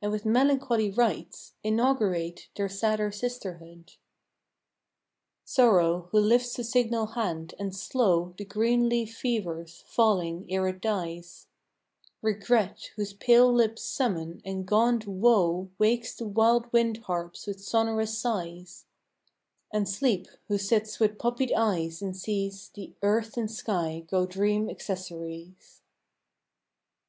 and with melancholy rites Inaugurate their sadder sisterhood? Sorrow, who lifts a signal hand, and slow The green leaf fevers, falling ere it dies; Regret, whose pale lips summon, and gaunt Woe Wakes the wild wind harps with sonorous sighs; And Sleep, who sits with poppied eyes and sees The earth and sky grow dream accessories.